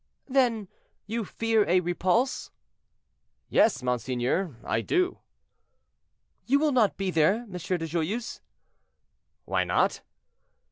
"Then you fear a repulse?" "Yes, monseigneur, I do." "You will not be there, M. de Joyeuse." "Why not?"